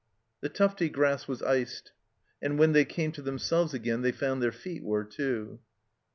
The tufty grass was iced, and when they came to themselves again they found their feet were too